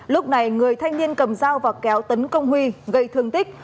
lúc này người thanh niên cầm dao và kéo tấn công huy gây thương tích